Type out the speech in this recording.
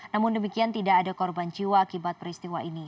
namun demikian tidak ada korban jiwa akibat peristiwa ini